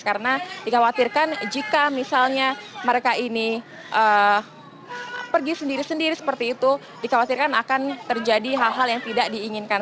karena dikhawatirkan jika misalnya mereka ini pergi sendiri sendiri seperti itu dikhawatirkan akan terjadi hal hal yang tidak diinginkan